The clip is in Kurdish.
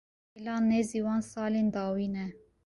Xela nêzî van salên dawîn e.